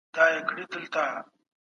ارواپوهنه د فردي رفتار علم بلل کيږي.